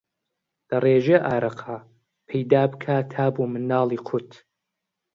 دەڕێژێ ئارەقە، پەیدا بکا تا بۆ مناڵی قووت